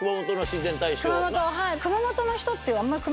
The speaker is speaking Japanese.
はい。